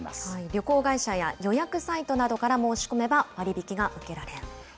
旅行会社や予約サイトなどから申し込めば割引が受けられる。